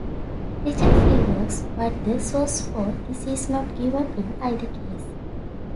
Richard Fewekes, but the source for this is not given in either case.